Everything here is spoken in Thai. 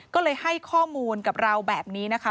ก็เลยให้ข้อมูลกับเราแบบนี้นะคะ